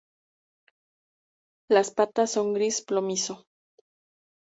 Las patas son gris plomizo.